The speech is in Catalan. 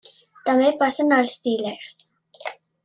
També passa en els til·lers.